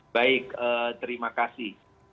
baik terima kasih